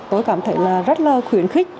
tôi cảm thấy là rất là khuyến khích